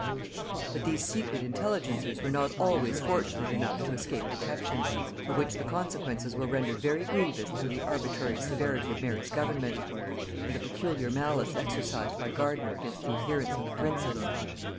But these secret intelligencers were not always fortunate enough to escape detection, of which the consequences were rendered very grievous through the arbitrary severity of Mary's government, and the peculiar malice exercised by Gardiner against the adherents of the princess.